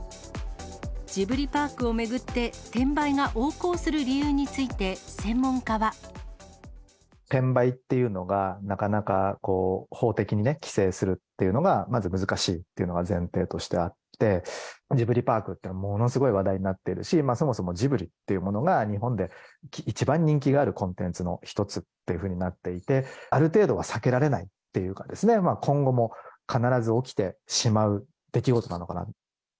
ジブリパークを巡って転売が転売っていうのが、なかなか法的に規制するっていうのが、まず難しいというのが前提としてあって、ジブリパークってものすごい話題になってるし、そもそもジブリっていうものが、日本で一番人気があるコンテンツの一つっていうふうになっていて、ある程度は避けられないっていうか、今後も必ず起きてしまう出来事なのかな。